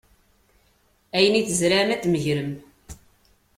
Ayen i tzerεem ad t-tmegrem.